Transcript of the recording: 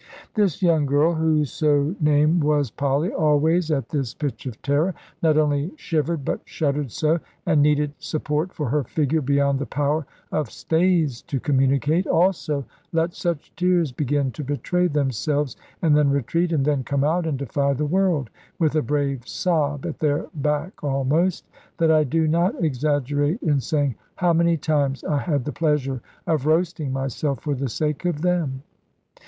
This young girl, whoso name was "Polly," always (at this pitch of terror) not only shivered but shuddered so, and needed support for her figure beyond the power of stays to communicate, also let such tears begin to betray themselves and then retreat, and then come out and defy the world, with a brave sob at their back almost, that I do not exaggerate in saying how many times I had the pleasure of roasting myself for the sake of them.